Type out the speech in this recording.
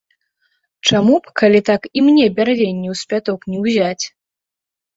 Чаму б, калі так, і мне бярвенняў з пяток не ўзяць?